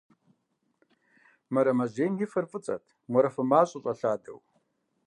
Мэрэмэжьейм и фэр фӀыцӀэт, морафэ мащӀэ щӀэлъадэу.